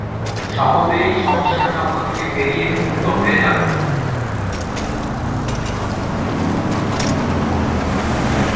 সকলেই সংসার চক্র থেকে বেরিয়ে মুক্ত হয়ে যাবে।